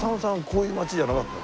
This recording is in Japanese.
こういう街じゃなかった？